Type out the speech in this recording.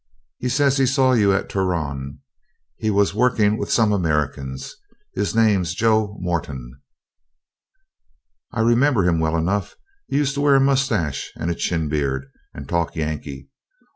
He says he saw you at the Turon; he was working with some Americans. His name's Joe Moreton.' 'I remember him well enough; he used to wear a moustache and a chin beard, and talk Yankee.